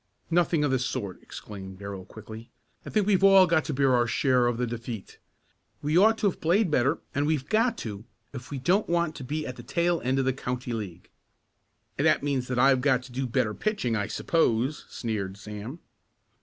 "Nothing of the sort!" exclaimed Darrell quickly. "I think we've all got to bear our share of the defeat. We ought to have played better, and we've got to, if we don't want to be at the tail end of the county league." "And that means that I've got to do better pitching, I suppose?" sneered Sam.